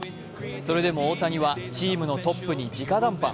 それでも大谷は、チームのトップに直談判。